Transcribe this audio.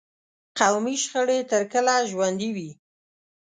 قومي شخړې تر کله ژوندي وي.